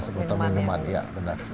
kemasaan botol minuman iya benar